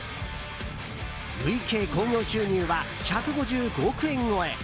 累計興行収入は１５５億円超え。